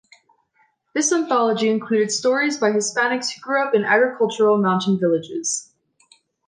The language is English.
This anthology included stories by Hispanics who grew up in agricultural mountain villages.